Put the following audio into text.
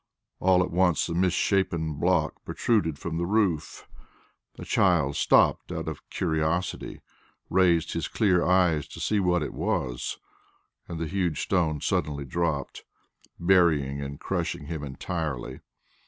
All at once a misshapen block protruded from the roof. The child stopped, out of curiosity, raised his clear eyes to see what it was, and the huge stone suddenly dropped, burying and crushing him entirely.